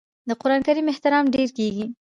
د قران کریم احترام ډیر کیږي.